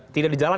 tidak di jalan